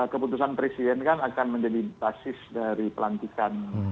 keputusan presiden kan akan menjadi basis dari pelantikan